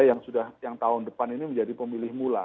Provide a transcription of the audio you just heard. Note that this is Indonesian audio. yang sudah yang tahun depan ini menjadi pemilih mula